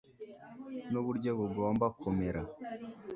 nuburyo bugomba kumera